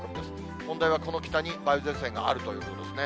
問題はこの北に梅雨前線があるということですね。